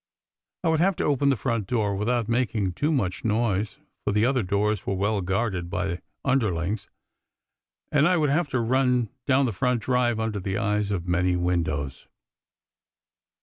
I would have to open the front door without making too much noise, for the other doors were well guarded by underlings, and I would have to run down the front drive under the eyes of many windows.